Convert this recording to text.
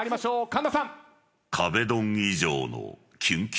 神田さん。